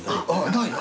ない。